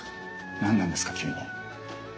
何なんですか急に。